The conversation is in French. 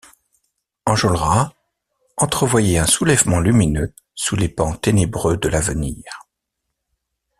Enjolras entrevoyait un soulèvement lumineux sous les pans ténébreux de l’avenir.